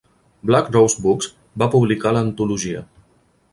Black Rose Books va publicar l'antologia.